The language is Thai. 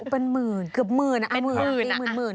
เป็นหมื่นเกือบหมื่นน่ะ